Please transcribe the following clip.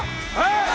はい！